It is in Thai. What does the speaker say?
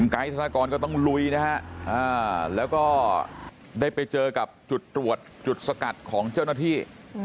ธนากรก็ต้องลุยนะฮะแล้วก็ได้ไปเจอกับจุดตรวจจุดสกัดของเจ้าหน้าที่